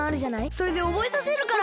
それでおぼえさせるから。